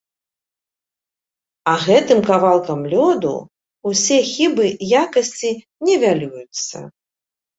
А гэтым кавалкам лёду ўсе хібы якасці нівелююцца.